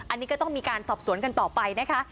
อันนี้ก็ต้องมีการสอบสวนกันต่อไปนะคะ